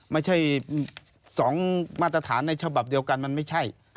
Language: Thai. ไม่ใช่๒มาตรฐานในฉบับเดียวกันมันไม่ใช่